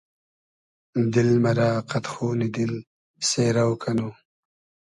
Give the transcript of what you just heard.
دیل مئرۂ قئد خونی دیل سېرۆ کئنو